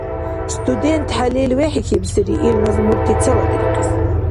СтудентхӀелил вехӀихьибсири ил назмурти цаладирхъес.